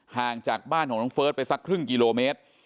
ห่างจากบ้านของน้องเฟิร์สไปสักครึ่งกิโลเมตร